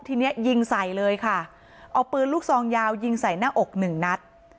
ทีนี้ยิงใส่เลยค่ะเอาปืนลูกซองยาวยิงใส่หน้าอกหนึ่งนัด